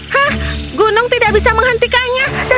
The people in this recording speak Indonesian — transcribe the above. hah gunung tidak bisa menghentikannya